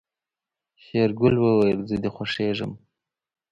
شېرګل وويل زه دې خوښوم.